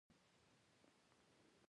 ډرامه باید اخلاقو ته پاملرنه وکړي